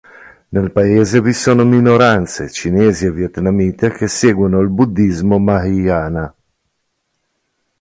Nel Paese vi sono minoranze cinesi e vietnamite che seguono il buddhismo mahayana.